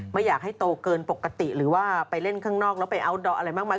ไม่อยากให้โตเกินปกติหรือว่าไปเล่นข้างนอกแล้วไปอัลดอร์อะไรมากมาย